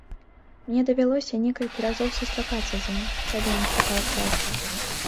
Мне давялося некалькі разоў сустракацца з ім, калі ён шукаў працу.